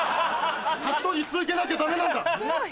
格闘技続けなきゃダメなんだ！